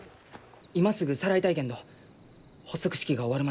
今すぐさらいたいけんど発足式が終わるまではお預けじゃと。